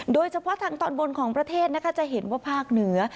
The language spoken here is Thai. โดยเฉพาะทางตอนบนของประเทศนะคะจะเห็นว่าภาคเหนือ